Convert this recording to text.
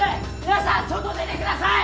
皆さん外出てください！